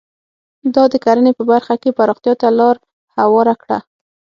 دا د کرنې په برخه کې پراختیا ته لار هواره کړه.